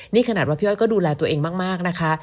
นี่ขนาดว่าพี่อ้อยก็ดูแลตัวเองมากนะคะ